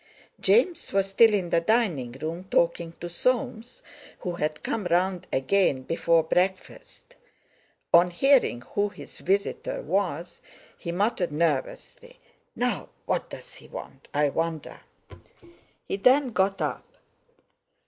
James was still in the dining room talking to Soames, who had come round again before breakfast. On hearing who his visitor was, he muttered nervously: "Now, what's he want, I wonder?" He then got up.